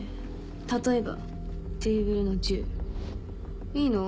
例えばテーブルの銃いいの？